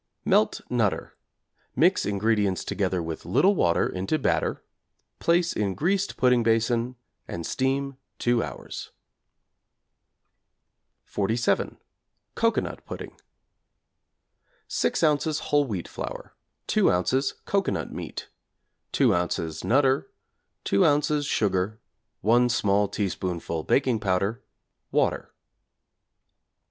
Melt 'Nutter,' mix ingredients together with little water into batter; place in greased pudding basin and steam 2 hours. =47. Cocoanut Pudding= 6 ozs. whole wheat flour, 2 ozs. cocoanut meat, 2 ozs. 'Nutter,' 2 ozs. sugar, 1 small teaspoonful baking powder, water.